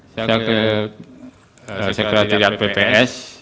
saya ke sekretariat pps